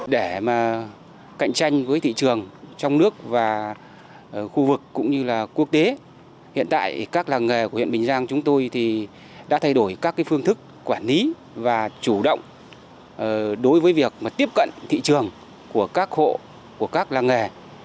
để mà cạnh tranh với thị trường trong nước và khu vực cũng như là quốc tế hiện tại các làng nghề của huyện bình giang chúng tôi thì đã thay đổi các phương thức quản lý và chủ động đối với việc tiếp cận thị trường của các hộ của các làng nghề